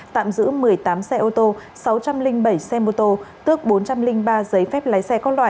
tạm giữ một mươi tám xe ô tô sáu trăm linh bảy xe mô tô tước bốn trăm linh ba giấy phép lái xe các loại